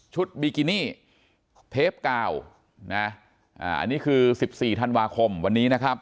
ชุดบีกินี่เทปกาวนะอ่าอันนี้คือสิบสี่ธันวาคมวันนี้นะครับ